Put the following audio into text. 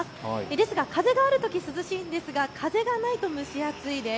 ですが風があるとき涼しいんですが風がないと蒸し暑いです。